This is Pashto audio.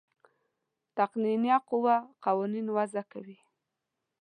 تقنینیه قوه قوانین وضع کوي.